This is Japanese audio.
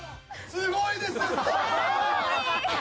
すごいです！